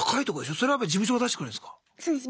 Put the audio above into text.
それは事務所が出してくれるんすか？